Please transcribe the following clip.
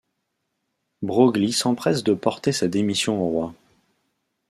Broglie s'empresse de porter sa démission au Roi.